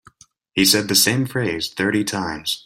He said the same phrase thirty times.